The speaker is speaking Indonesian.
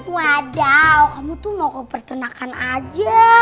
wadaw kamu tuh mau ke pertanakan aja